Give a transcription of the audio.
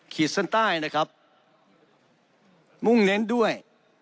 ขีดเส้นใต้นะครับมุ่งเน้นด้วย